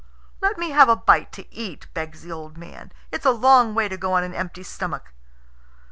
"Let me have a bite to eat," begs the old man. "It's a long way to go on an empty stomach."